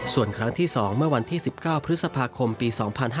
ส่วนครั้งที่๒เมื่อวันที่๑๙พฤษภาคมปี๒๕๕๙